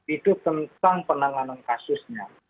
itu tentang penanganan kasusnya